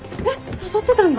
誘ってたんだ。